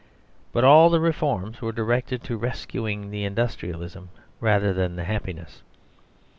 But all the reforms were directed to rescuing the industrialism rather than the happiness.